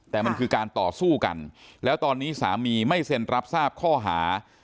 แต่มันคือการต่อสู้กันแล้วตอนนี้สามีไม่เซ็นรับทราบข้อหา